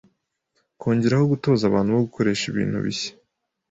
kongeraho gutoza abantu bo gukoresha ibintu bishya